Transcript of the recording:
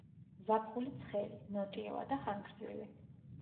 ზაფხული ცხელი, ნოტიოა და ხანგრძლივი.